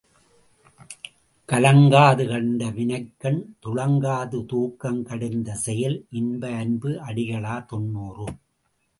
கலங்காது கண்ட வினைக்கண் துளங்காது தூக்கங் கடிந்து செயல் இன்ப அன்பு அடிகளார் தொன்னூறு.